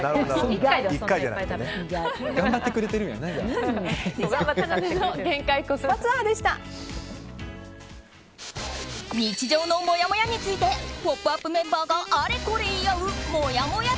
以上日常のもやもやについて「ポップＵＰ！」メンバーがあれこれ言い合うもやもや